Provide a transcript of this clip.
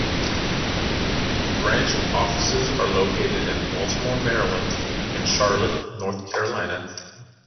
Branch offices are located in Baltimore, Maryland and Charlotte, North Carolina.